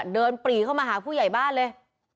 ปรีเข้ามาหาผู้ใหญ่บ้านเลย